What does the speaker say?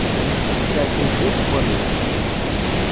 Sserkem cwiṭ n waman.